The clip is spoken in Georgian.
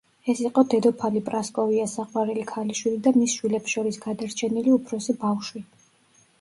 ის იყო დედოფალი პრასკოვიას საყვარელი ქალიშვილი და მის შვილებს შორის გადარჩენილი უფროსი ბავშვი.